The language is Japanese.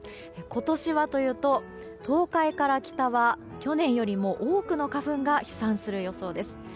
今年はというと東海からは北は去年よりも多くの花粉が飛散する予想です。